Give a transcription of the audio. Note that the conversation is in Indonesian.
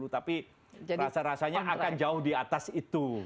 tapi rasa rasanya akan jauh di atas itu